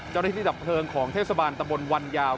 เจ้าที่ที่ดับเพลิงของเทศบาลตำบลวันยาว